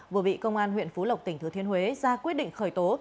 vừa bị công an huyện phú lộc tỉnh thừa thiên huế ra quyết định khởi tố